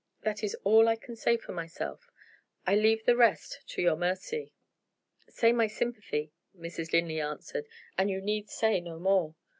That is all I can say for myself; I leave the rest to your mercy." "Say my sympathy," Mrs. Linley answered, "and you need say no more.